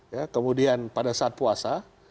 ya kemudian pada saat puasa